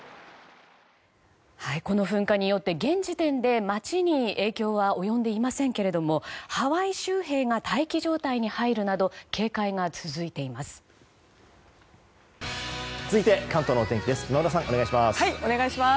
この噴火によって現時点で街に影響は及んでいませんけれどもハワイ州兵が待機状態に入るなど警戒が続いています。